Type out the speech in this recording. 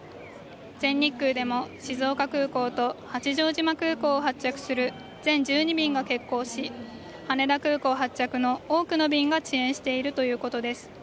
全日空でも静岡空港と八丈島空港を発着する全１２便が欠航し、羽田空港発着の多くの便が遅延しているということです。